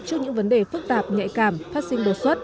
trước những vấn đề phức tạp nhạy cảm phát sinh đột xuất